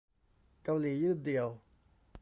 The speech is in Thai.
เกาหลี ยื่น "เดี่ยว"